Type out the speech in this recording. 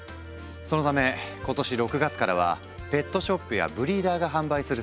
そのため今年６月からはペットショップやブリーダーが販売する際